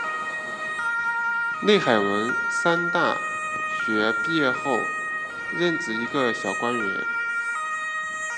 内海文三大学毕业后任职一个小官员。